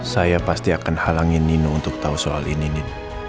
saya pasti akan halangi nino untuk tahu soal ini